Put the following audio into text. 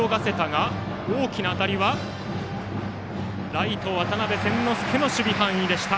ライト、渡邉千之亮の守備範囲でした。